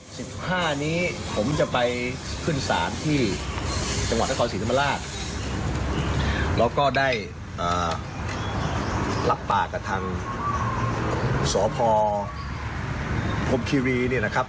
สิบห้านี้ผมจะไปขึ้นศาลที่จังหวัดนครศรีธรรมราชแล้วก็ได้เอ่อรับปากกับทางสพพรมคีรีเนี่ยนะครับ